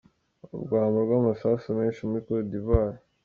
Urwamo rw'amasasu menshi muri Côte d'Ivoire.